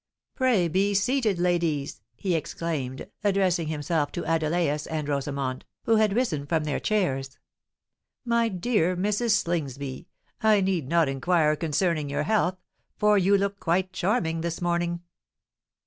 "Pray be seated, ladies," he exclaimed, addressing himself to Adelais and Rosamond, who had risen from their chairs. "My dear Mrs. Slingsby, I need not inquire concerning your health—for you look quite charming this morning."